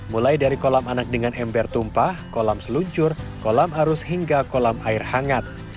mulai dari kolam anak dengan ember tumpah kolam seluncur kolam arus hingga kolam air hangat